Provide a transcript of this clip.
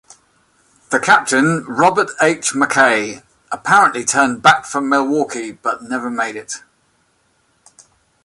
The captain, Robert H. McKay, apparently turned back for Milwaukee, but never made it.